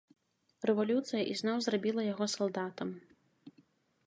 Рэвалюцыя ізноў зрабіла яго салдатам.